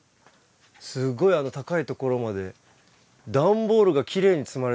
すごいあの高いところまで段ボールがきれいに積まれてますね。